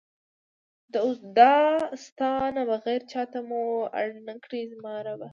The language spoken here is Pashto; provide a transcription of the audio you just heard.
دا ستا نه بغیر چاته مو اړ نکړې زما ربه!